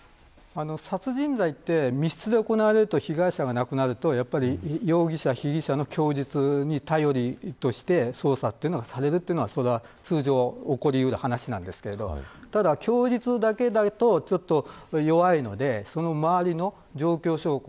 殺人罪は密室で行われると被害者が亡くなると容疑者、被疑者の供述を頼りとして捜査されるというのが通常、起こり得る話ですがただ供述だけだと弱いのでその周りの状況証拠。